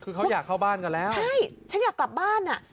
คือเขาอยากเข้าบ้านกันแล้วใช่ฉันอยากกลับบ้านอ่ะ